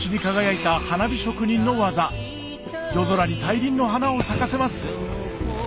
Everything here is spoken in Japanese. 夜空に大輪の花を咲かせます